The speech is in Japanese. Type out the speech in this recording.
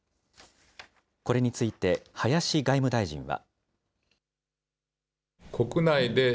これについて、林外務大臣は。